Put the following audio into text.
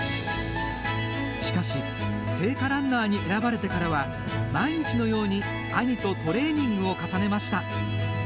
しかし、聖火ランナーに選ばれてからは、毎日のように兄とトレーニングを重ねました。